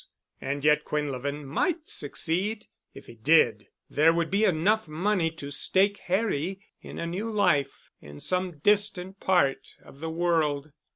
And yet Quinlevin might succeed. If he did there would be enough money to stake Harry in a new life in some distant part of the world.